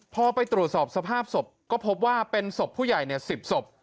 พอไปตรวจสอบสภาพศพก็พบว่าเป็นศพผู้ใหญ่๑๐ศพ